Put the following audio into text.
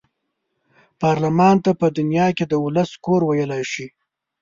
پارلمان ته په دنیا کې د ولس کور ویلای شي.